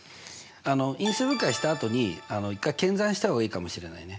因数分解したあとに一回検算した方がいいかもしれないね。